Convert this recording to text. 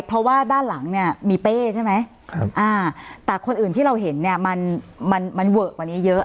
เพราะว่าด้านหลังเนี่ยมีเป้ใช่ไหมแต่คนอื่นที่เราเห็นเนี่ยมันมันเวอะกว่านี้เยอะ